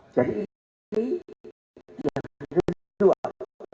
jadi ini yang kedua